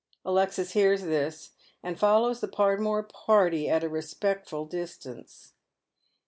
Alexis hears this, and follows the Podmore party at a respect ful distance.